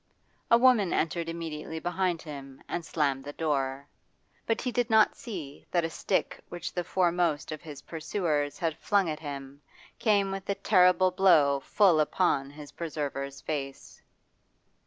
A woman entered immediately behind him and slammed the door, but he did not see that a stick which the foremost of his pursuers had flung at him came with a terrible blow full upon his preserver's face.